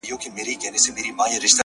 بیگا مي خوب لیده مسجد را نړومه ځمه!